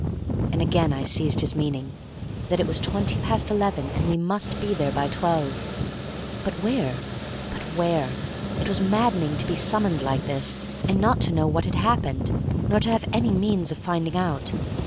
And again I seized his meaning, that it was twenty past eleven, and we must be there by twelve. But where, but where? It was maddening to be summoned like this, and not to know what had happened, nor to have any means of finding out.